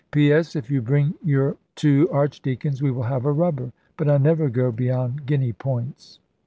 "P.S. If you bring your two Archdeacons, we will have a rubber: but I never go beyond guinea points."